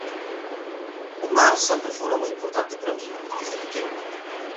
O mar sempre fora moi importante para min, desde pequeno.